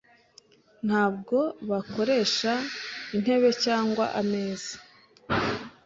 Ntabwo bakoresha intebe cyangwa ameza.